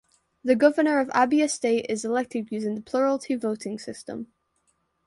The Governor of Abia State is elected using the plurality voting system.